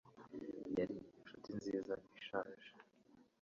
Yari Inshuti nziza ishaje